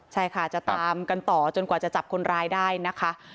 ใช่ค่ะจะตามกันต่อจนกว่าจะจับคนร้ายได้นะคะ